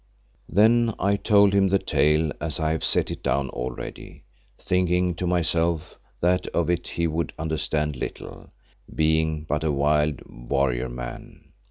Then I told him the tale, as I have set it down already, thinking to myself that of it he would understand little, being but a wild warrior man.